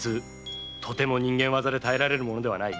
人間業で耐えられるものではない。